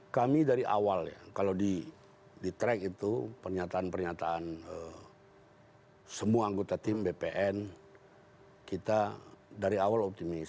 kami dari awal ya kalau di track itu pernyataan pernyataan semua anggota tim bpn kita dari awal optimis